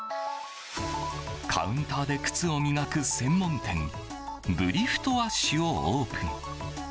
カウンターで靴を磨く専門店ブリフトアッシュをオープン。